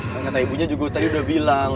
kan kata ibunya juga tadi udah bilang